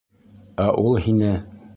Ә ул һине?